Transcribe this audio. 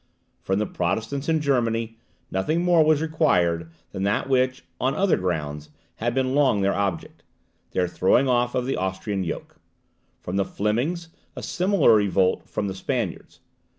From the Protestants in Germany nothing more was required than that which, on other grounds, had been long their object, their throwing off the Austrian yoke; from the Flemings, a similar revolt from the Spaniards.